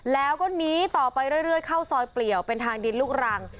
แล้วก็หนีต่อไปเรื่อยเข้าซอยเปลี่ยวเป็นทางดินลูกรัง